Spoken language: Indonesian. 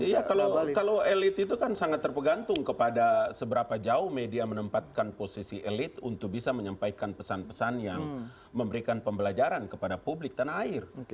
iya kalau elit itu kan sangat terpegantung kepada seberapa jauh media menempatkan posisi elit untuk bisa menyampaikan pesan pesan yang memberikan pembelajaran kepada publik tanah air